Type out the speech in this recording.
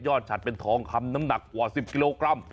ฉัดเป็นทองคำน้ำหนักกว่า๑๐กิโลกรัม